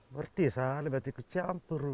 berarti salah berarti kecampur